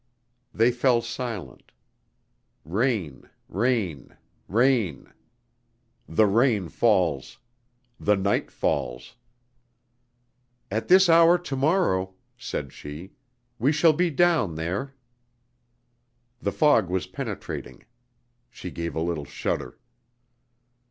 They fell silent.... Rain, rain, rain. The rain falls. The night falls. "At this hour tomorrow," said she, "we shall be down there." The fog was penetrating. She gave a little shudder.